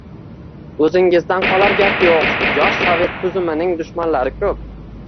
O’zingizdan qolar gap yo‘q, yosh sovet tuzumining dushmanlari ko‘p.